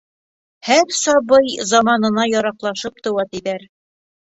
Һәр сабый заманына яраҡлашып тыуа, тиҙәр.